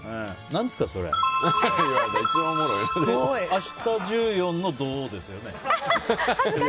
明日、１４の土ですよね。